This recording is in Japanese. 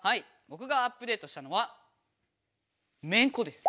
ぼくがアップデートしたのはめんこです！